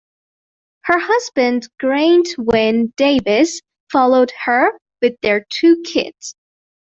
Her husband Geraint Wyn Davies, followed her with their two kids.